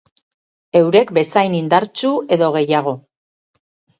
Eurek bezain indartsu edo gehiago.